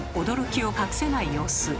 驚きを隠せない様子。